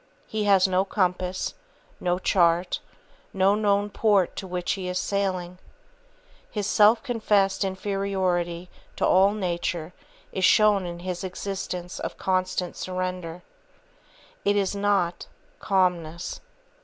He has no compass, no chart, no known port to which he is sailing. His self confessed inferiority to all nature is shown in his existence of constant surrender. It is not, calmness.